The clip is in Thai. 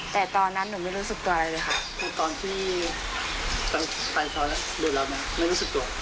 แต่ตอนนั้นหนูไม่รู้สึกตัวอะไรเลยค่ะแต่ตอนที่ตังค์ไฟช้าละดูแล้วไหม